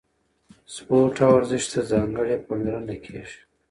سپورت او ورزش ته ځانګړې پاملرنه کیږي.